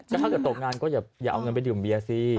ถ้าเกิดตกงานก็อย่าเอาเงินไปดื่มเบียร์สิ